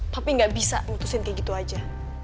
papi gak bisa mutusin kayak gitu aja